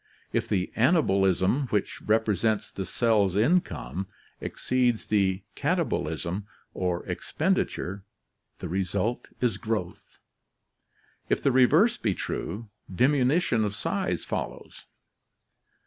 If the anabolism, which represents the cell's income, exceeds the katabolism, or expenditure, the result is growth. If the reverse be true, diminution of size follows.